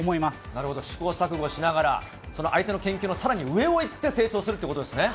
なるほど、試行錯誤しながら、その相手の研究のさらに上をいって成長するということですね。